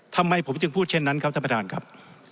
ทำไมผมจึงพูดเช่นนั้นครับท่านประธานครับ